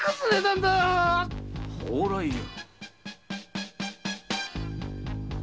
「蓬莱屋」！？